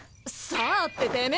「さぁ？」っててめぇ！